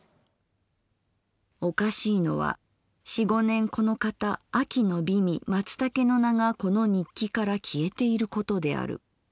「おかしいのは四五年このかた秋の美味松茸の名がこの日記から消えていることである。